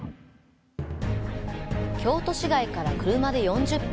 京都市街から車で４０分